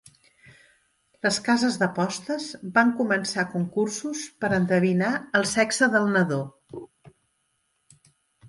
Les cases d'apostes van començar concursos per endevinar el sexe del nadó.